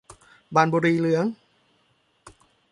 บานบุรีเหลือง